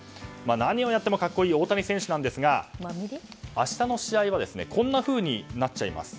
何をやっても格好いい大谷選手ですが明日の試合はこんなふうになっちゃいます。